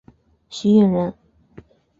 许允人。